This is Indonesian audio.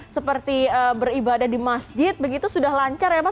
seperti beribadah di masjid begitu sudah lancar ya mas